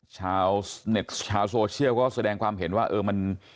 ชาวเน็ตชาวโซเชียลก็แสดงความเห็นว่าเออมัน